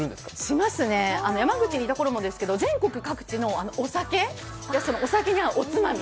しますね、山口にいた頃もですけど全国各地のお酒、それからお酒に合うおつまみ。